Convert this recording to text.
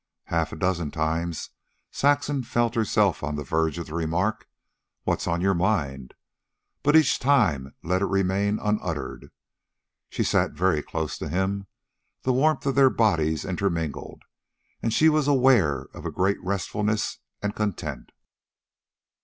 Half a dozen times Saxon found herself on the verge of the remark, "What's on your mind?" but each time let it remain unuttered. She sat very close to him. The warmth of their bodies intermingled, and she was aware of a great restfulness and content.